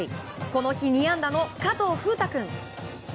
この日２安打の加藤楓太君。